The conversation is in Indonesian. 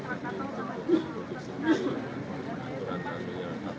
ya karena rumah ini lupuk